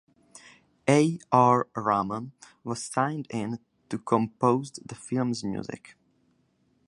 A. R. Rahman was signed in to composed the film's music.